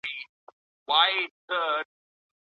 کوم ناوړه عرفونه بايد له منځه ولاړ سي؟